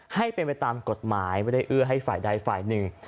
ให้เป็นไปตามกฎหมายไม่ได้เอื้อให้ฝ่ายใดฝ่ายหนึ่ง